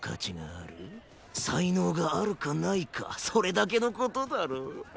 才能があるかないかそれだけの事だろ？